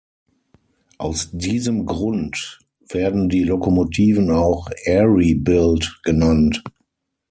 Aus diesem Grund werden die Lokomotiven auch „Erie built“ genannt.